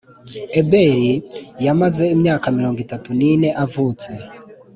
Eberi yamaze imyaka mirongo itatu n ine avutse